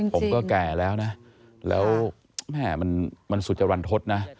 ผมก็แก่แล้วนะแล้วแม่มันสุจรรทศนะ